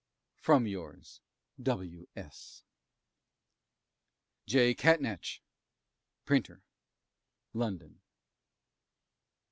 From yours W. S. J. Catnach, Printer, London.